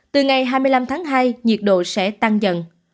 từ ngày hai mươi năm tháng hai nhiệt độ sẽ tăng dần